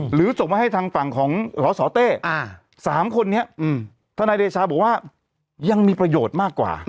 ส่งมาให้ทางฝั่งของสสเต้๓คนนี้ทนายเดชาบอกว่ายังมีประโยชน์มากกว่า